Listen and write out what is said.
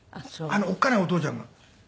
あのおっかないお父ちゃんが。